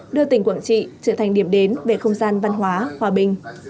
đưa tỉnh quảng trị trở thành điểm đến về không gian văn hóa hòa bình